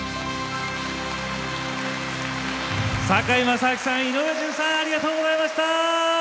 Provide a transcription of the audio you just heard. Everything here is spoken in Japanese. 堺正章さん井上順さんありがとうございました。